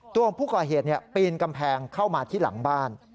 ตัวของผู้ก่อเหตุปีนกำแพงเข้ามาที่หลังบ้าน